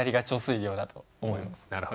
なるほど。